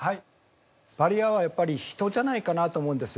バリアはやっぱり人じゃないかなと思うんですよ。